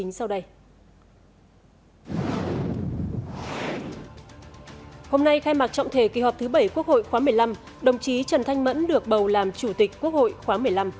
hôm nay khai mạc trọng thể kỳ họp thứ bảy quốc hội khóa một mươi năm đồng chí trần thanh mẫn được bầu làm chủ tịch quốc hội khóa một mươi năm